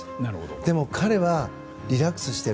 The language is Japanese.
でも彼は、リラックスしている。